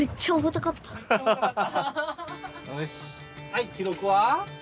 はい記録は？